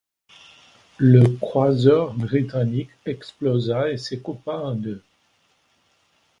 Le croiseur britannique explosa et se coupa en deux.